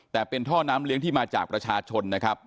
แต่เป็นท่อน้ำเลี้ยงที่มาจากประชาชนนะครับ